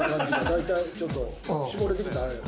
大体ちょっと絞れてきた？